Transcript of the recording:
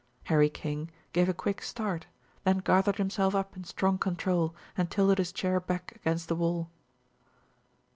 Harry King gave a quick start, then gathered himself up in strong control and tilted his chair back against the wall.